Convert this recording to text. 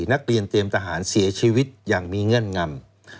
นักเรียนเตรียมทหารเสียชีวิตอย่างมีเงื่อนงำ